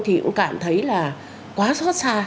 thì cũng cảm thấy là quá xót xa